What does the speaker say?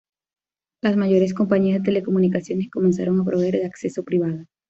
Las mayores compañías de telecomunicaciones comenzaron a proveer de acceso privado.